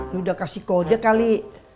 lo udah kasih kode kali